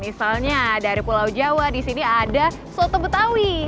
misalnya dari pulau jawa ada soto betawi